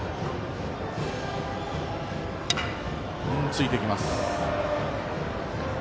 ついていきます。